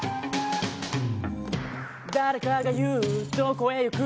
誰かが言う“どこへ行く？”